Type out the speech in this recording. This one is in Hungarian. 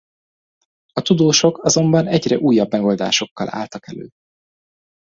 A tudósok azonban egyre újabb megoldásokkal álltak elő.